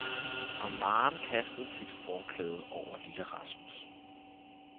Og Maren kastede sit forklæde over lille Rasmus.